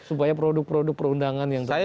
supaya produk produk perundangan yang terjadi